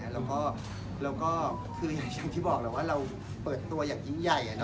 แล้วก็คืออย่างที่บอกแล้วว่าเราเปิดตัวอย่างยิ่งใหญ่